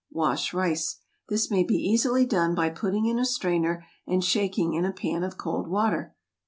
Wash rice. This may be easily done by putting in a strainer and shaking in a pan of cold water.